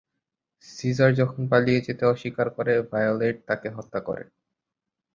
Caesar যখন পালিয়ে যেতে অস্বীকার করে, ভায়োলেট তাকে হত্যা করে।